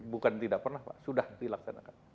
bukan tidak pernah pak sudah dilaksanakan